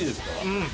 うん。